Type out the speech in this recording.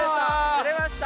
釣れました！